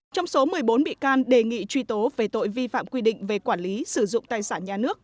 trong số một mươi bốn bị can đề nghị truy tố về tội vi phạm quy định về quản lý sử dụng tài sản nhà nước